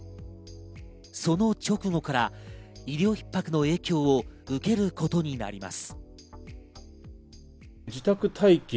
その直後から医療逼迫の影響を受けることになります。